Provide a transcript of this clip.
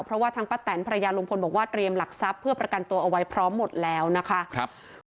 เพราะว่าทางป้าแตนภรรยาลุงพลบอกว่าเตรียมหลักทรัพย์เพื่อประกันตัวเอาไว้พร้อมหมดแล้วนะคะ